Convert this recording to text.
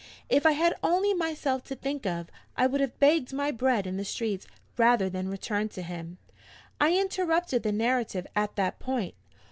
If I had only had myself to think of, I would have begged my bread in the streets rather than return to him '" I interrupted the narrative at that point.